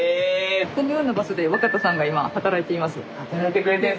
このような場所で若田さんが今働いています。